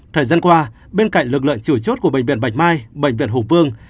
thời gian qua bên cạnh lực lượng chủ chốt của bệnh viện bạch mai bệnh viện hồ phương